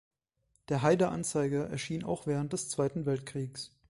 Der "Heider Anzeiger" erschien auch während des Zweiten Weltkriegs.